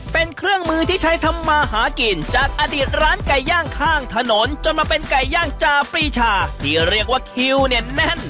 เป็นเครื่องมือที่ใช้ทำมาหากินจากอดีตร้านไก่ย่างข้างถนนจนมาเป็นไก่ย่างจาปรีชาที่เรียกว่าคิวเนี่ยแน่น